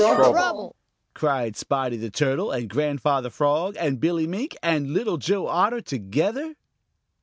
"What is the trouble?" cried Spotty the Turtle and Grandfather Frog and Billy Mink and Little Joe Otter together.